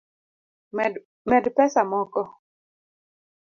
Med pesa moko